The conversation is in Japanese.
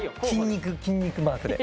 筋肉筋肉マークで。